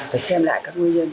phải xem lại các nguyên nhân